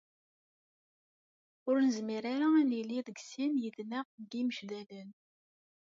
Ur nezmir ara ad nili deg sin yid-neɣ deg Imecdalen.